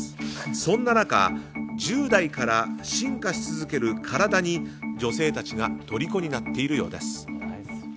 そんな中１０代から進化し続ける体に女性たちが虜になっているようです。